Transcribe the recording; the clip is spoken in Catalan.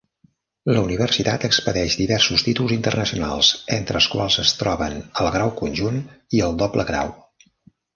La universitat expedeix diversos títols internacionals, entre els quals es troben el grau conjunt i el doble grau.